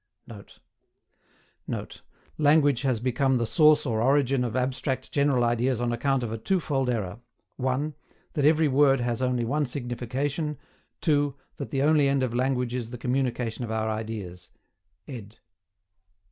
[Note.] [Note: Language has become the source or origin of abstract general ideas on account of a twofold error. (1.) That every word has only one signification. (2.) That the only end of language is the communication of our ideas Ed.